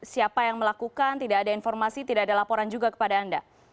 siapa yang melakukan tidak ada informasi tidak ada laporan juga kepada anda